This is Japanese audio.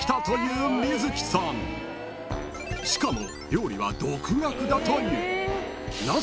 ［しかも］